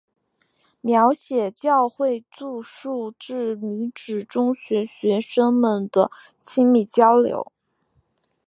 描写教会住宿制女子中学学生们间的亲密交流。